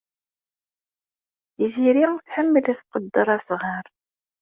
Tiziri tḥemmel ad tqedder asɣar.